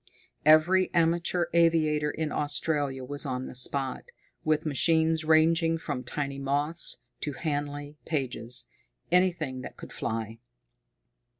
Every amateur aviator in Australia was on the spot, with machines ranging from tiny Moths to Handley Pages anything that could fly.